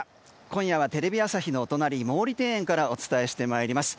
今夜はテレビ朝日の隣毛利庭園からお伝えしてまいります。